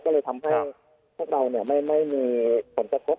ก็เลยทำให้พวกเราเนี่ยไม่มีฝนตกลง